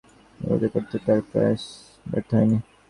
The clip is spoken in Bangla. তিনি উৎকৃষ্ট সাহিত্যিক গদ্যে বিবর্তিত করতে তার প্রয়াস ব্যর্থ হয়নি।